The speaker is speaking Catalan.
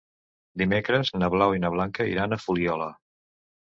Dimecres na Blau i na Blanca iran a la Fuliola.